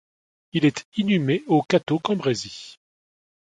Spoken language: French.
Il est inhumé au Cateau-Cambrésis.